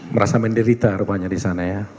merasa menderita rupanya disana ya